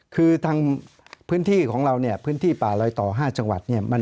คือทางพื้นที่ของเราพื้นที่ป่าลอยต่อ๕จังหวัด